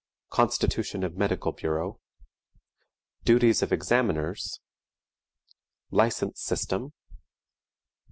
Constitution of Medical Bureau. Duties of Examiners. License System.